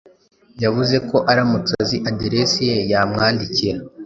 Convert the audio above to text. Yavuze ko aramutse azi aderesi ye, yamwandikira.